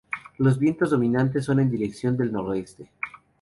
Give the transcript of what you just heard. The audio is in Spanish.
Los vientos dominantes son en dirección del noroeste.